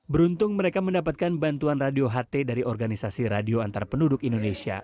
beruntung mereka mendapatkan bantuan radio ht dari organisasi radio antar penduduk indonesia